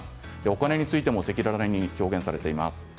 お金についても赤裸々に表現されています。